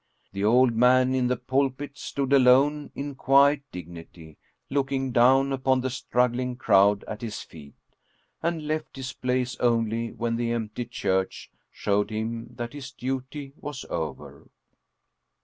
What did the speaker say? The old man in the pulpit stood alone in quiet dig nity, looking down upon the struggling crowd at his feet, and left his place only when the empty church showed him that his duty was over.